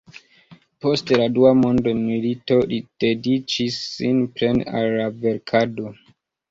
Post la Dua mondmilito li dediĉis sin plene al la verkado.